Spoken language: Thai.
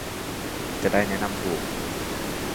จะได้แนะนำถูก